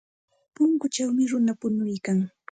Punkuchawmi runa punuykan.